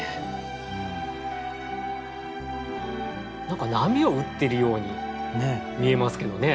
何か波を打ってるように見えますけどね。